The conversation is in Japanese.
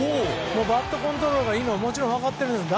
バットコントロールがいいのはもちろん分かっているんですが